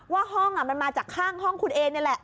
ว่าห้องมันมาจากข้างห้องคุณเอนี่แหละ